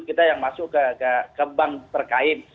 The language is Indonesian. kita yang masuk ke bank terkait